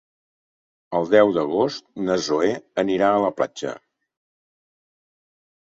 El deu d'agost na Zoè anirà a la platja.